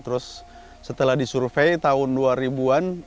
terus setelah disurvey tahun dua ribu an